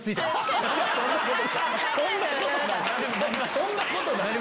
そんなことない。